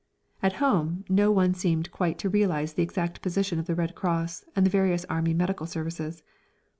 At home no one seemed quite to realise the exact position of the Red Cross and the various Army medical services.